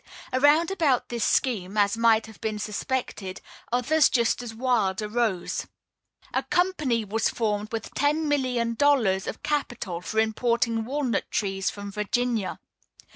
Around about this scheme, as might have been expected, others just as wild arose. A company was formed with ten million dollars of capital for importing walnut trees from Virginia.